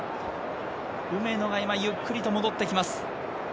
梅野が今ゆっくりと戻ってきます。